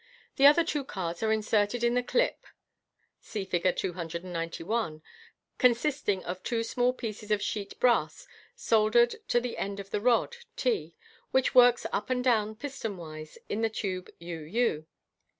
The other two cards are inserted in the clip s I 462 MODERN MAGIC. (see Fig. 291), consisting of two small pieces of sheet brass soldered to the end of the rod t, which works up and down piston wise in the tube u u.